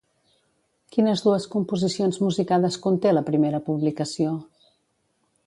Quines dues composicions musicades conté la primera publicació?